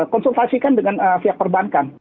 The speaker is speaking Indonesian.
konsultasikan dengan siak perbankan